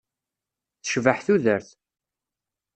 Tecbeḥ tudert.